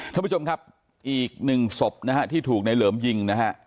ท่านผู้ชมครับอีกหนึ่งศพนะฮะที่ถูกในเหลิมยิงนะฮะ